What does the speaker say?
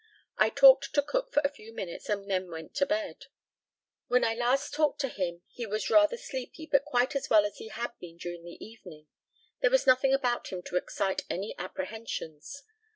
I talked to Cook for a few minutes, and then went to bed. When I last talked to him he was rather sleepy, but quite as well as he had been during the evening. There was nothing about him to excite any apprehensions.